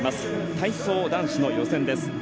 体操男子の予選です。